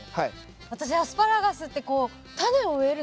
私アスパラガスって「タネを植えるの？